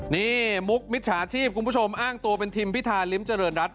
นี่มุกมิจฉาชีพคุณผู้ชมอ้างตัวเป็นทิมพิธาริมเจริญรัฐ